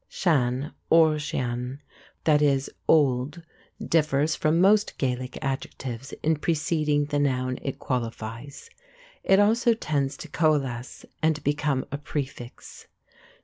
Sen or sean (pronounced shan) == "old," differs from most Gaelic adjectives in preceding the noun it qualifies. It also tends to coalesce and become a prefix.